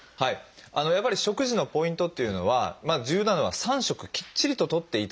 やっぱり食事のポイントっていうのは重要なのは三食きっちりととっていただく。